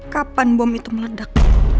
kapan bom itu meledak